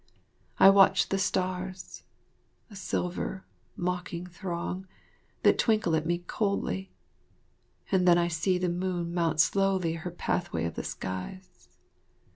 I watch the stars, a silver, mocking throng, that twinkle at me coldly, and then I see the moon mount slowly her pathway of the skies.